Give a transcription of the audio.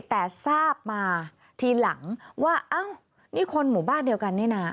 แต่ทีหลังที่ทราบมาว่าอ้าวนี่คนหมู่บ้านเดียวกันเนี่ยนะ